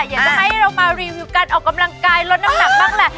อยากจะให้เรามารีวิวการออกกำลังกายลดน้ำหนักบ้างแหละ